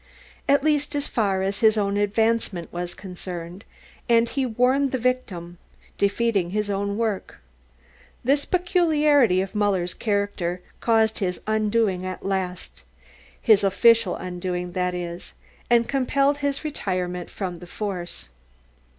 at least as far as his own advancement was concerned, and he warned the victim, defeating his own work. This peculiarity of Muller's character caused his undoing at last, his official undoing that is, and compelled his retirement from the force.